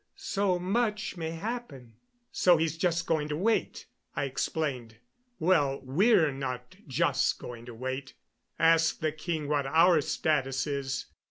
So much may happen " "So he's just going to wait," I explained. "Well, we're not just going to wait. Ask the king what our status is."